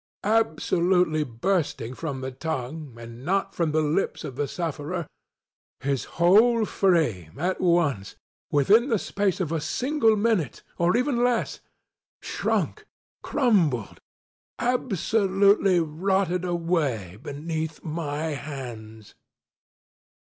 ŌĆØ absolutely bursting from the tongue and not from the lips of the sufferer, his whole frame at onceŌĆöwithin the space of a single minute, or even less, shrunkŌĆöcrumbledŌĆöabsolutely rotted away beneath my hands.